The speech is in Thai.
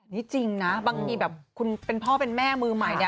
นี่จริงนะบางทีแบบคุณเป็นพ่อเป็นแม่มือใหม่เนี่ย